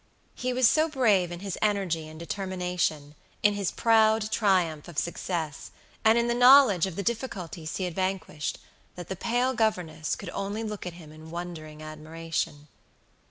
He was so brave in his energy and determination, in his proud triumph of success, and in the knowledge of the difficulties he had vanquished, that the pale governess could only look at him in wondering admiration.